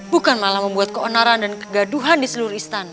bukan malah membuat keonaran dan kegaduhan di seluruh istana